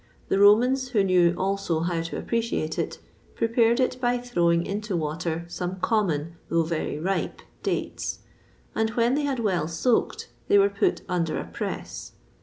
The Romans, who knew also how to appreciate it, prepared it by throwing into water some common, though very ripe, dates; and when they had well soaked, they were put under a press.